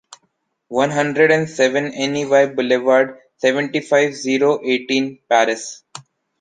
one hundred and seven NEY Boulevard, seventy-five, zero eighteen, Paris